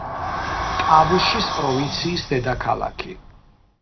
ტავუშის პროვინციის დედაქალაქი.